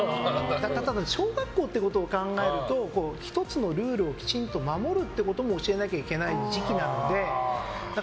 小学校ということを考えると１つのルールをきちんと守ることを教えなきゃいけない時期なので。